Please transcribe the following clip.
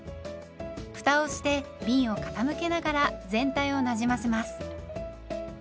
ふたをしてびんを傾けながら全体をなじませます。